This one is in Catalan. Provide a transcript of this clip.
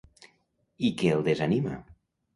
I què el desanima?